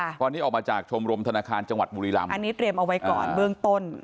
ตอนนี้ออกมาจากชมรมธนาคารจังหวัดบุรีรำอันนี้เตรียมเอาไว้ก่อนเบื้องต้น